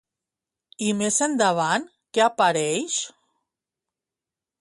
I més endavant què apareix?